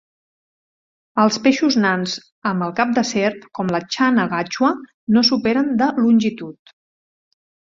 Els peixos nans amb cap de serp, com la "channa gachua", no superen de longitud.